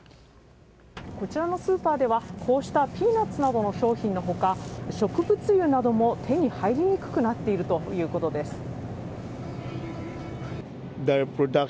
こちらのスーパーではこうしたピーナッツなどの商品の他植物油なども手に入りにくくなっているということです。